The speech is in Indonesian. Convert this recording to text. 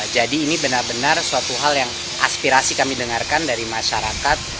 jadi ini benar benar suatu hal yang aspirasi kami dengarkan dari masyarakat